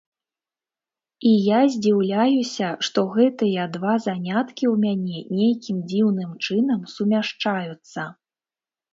І я здзіўляюся, што гэтыя два заняткі ў мяне нейкім дзіўным чынам сумяшчаюцца.